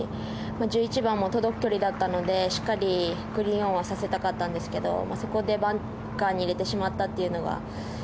１１番も届く距離だったのでしっかりグリーンオンはさせたかったんですけどそこでバンカーに入れてしまったというのが。